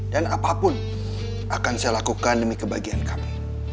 dan apapun akan saya lakukan demi kebahagiaan kamu